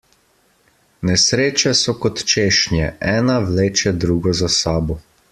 Nesreče so kot češnje, ena vleče drugo za sabo.